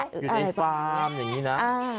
อยู่ในฟาร์มอย่างนี้นะ